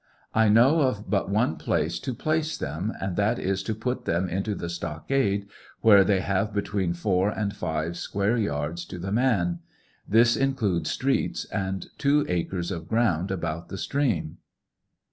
I know of but one place to place them, and that is to put them into the stockade, where they have between four and five square yards to the man. This includes streets and two acres of ground about the stream.